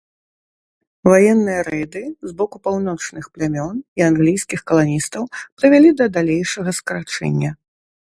Ваенныя рэйды з боку паўночных плямён і англійскіх каланістаў прывялі да далейшага скарачэння.